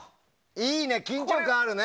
いいね、緊張感あるね。